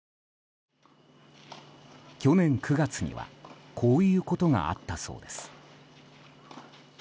去年９月にはこういうことがあったそうです。